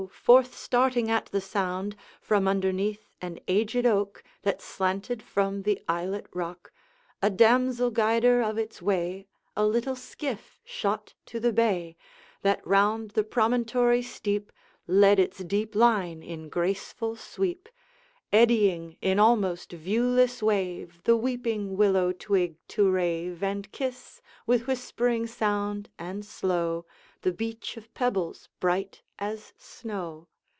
forth starting at the sound, From underneath an aged oak That slanted from the islet rock, A damsel guider of its way, A little skiff shot to the bay, That round the promontory steep Led its deep line in graceful sweep, Eddying, in almost viewless wave, The weeping willow twig to rave, And kiss, with whispering sound and slow, The beach of pebbles bright as snow.